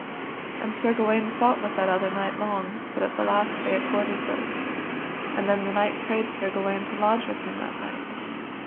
And Sir Gawaine fought with that other knight long, but at the last they accorded both. And then the knight prayed Sir Gawaine to lodge with him that night.